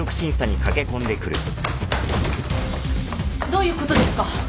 どういうことですか？